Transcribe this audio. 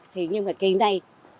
thì nhưng mà kỳ này